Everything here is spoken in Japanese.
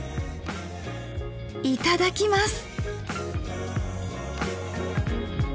いただきます。